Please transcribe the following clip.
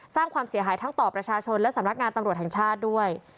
สร้างความเสียหายทั้งต่อประชาชนและสำนักงานตำรวจแห่งชาติด้วย